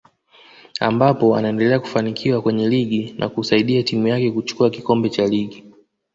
ambapo anaendelea kufanikiwa kwenye ligi na kusaidia timu yake kuchukua kikombe cha ligi